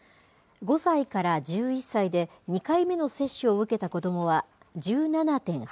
５歳から１１歳で２回目の接種を受けた子どもは１７．８％。